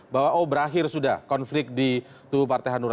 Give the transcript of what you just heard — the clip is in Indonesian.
bahwa oh berakhir sudah konflik di tuhu partai hanur